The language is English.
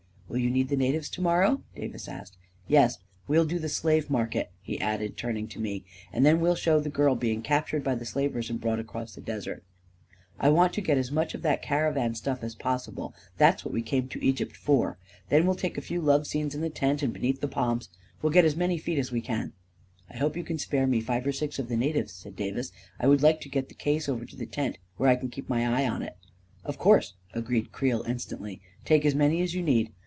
44 Will you need the natives to morrow ?" Davis asked. 44 Yes. We'll do the slave market," he added, turning to me ; 44 and then we'll show the girl being captured by the slavers and brought across the desert. A KING IN BABYLON 281 I want to get as much of that caravan stuff as pos sible — that's what we came to Egypt for. Then we'll take a few love scenes in the tent and beneath the palms. We'll get as many feet as we can 1 "" I hope you can spare me five or six of the na tives," said Davis. " I would like to get the case over to the tent, where I can keep my eye on it." " Of course," agreed Creel, instantly. " Take as many as you need.